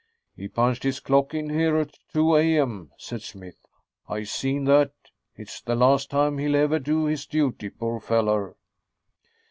"He punched his clock in here at two A.M.," said Smythe. "I seen that. It's the last time he'll ever do his duty, poor feller."